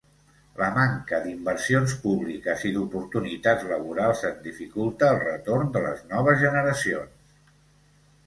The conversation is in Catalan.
La manca d'inversions públiques i d'oportunitats laborals en dificulta el retorn de les noves generacions.